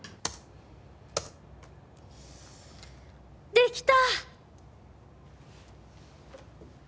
できた！